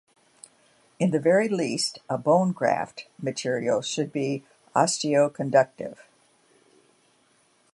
In the very least, a bone graft material should be osteoconductive.